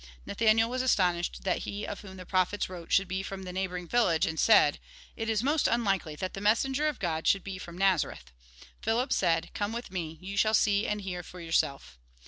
Nathanael was astonished that he of whom the prophets wrote should be from the neighbouring village, and said :" It is most unlikely that the messenger of God should be from Nazareth." Philip said :" Come with me, you shall see and hear for yourself."